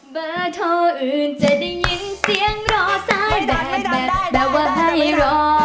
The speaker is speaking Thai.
เบอร์ท่ออื่นจะได้ยินเสียงรอทรายแบบแบบว่าให้รอ